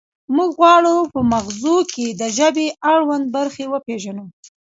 موږ غواړو په مغزو کې د ژبې اړوند برخې وپیژنو